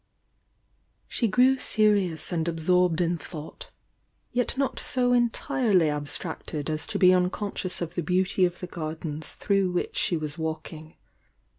She grew serious and absorbed in thought, yet not so entuvly abstracted as to be unconscious of the beauty of the gardens through which she was walk "18.